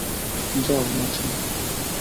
যাও, নাচো।